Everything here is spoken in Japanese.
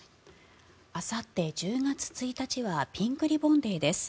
あさって１０月１日はピンクリボンデーです。